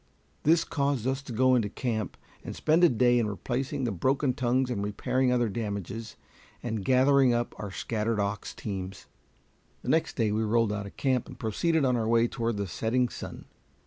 This caused us to go into camp and spend a day in replacing the broken tongues and repairing other damages, and gathering up our scattered ox teams. The next day we rolled out of camp, and proceeded on our way toward the setting sun.